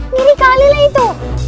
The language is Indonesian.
ngiri kali lah itu